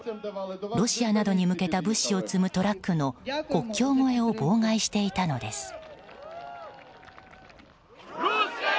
ロシアなどに向けた物資を積むトラックの国境越えを妨害していたのです。